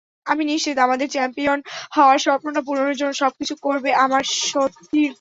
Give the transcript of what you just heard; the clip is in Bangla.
আমি নিশ্চিত, আমাদের চ্যাম্পিয়ন হওয়ার স্বপ্নটা পূরণের জন্য সবকিছুই করবে আমার সতীর্থরা।